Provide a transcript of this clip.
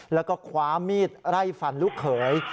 แล้วก็คว้ามีดไล่ฟันลูกเขย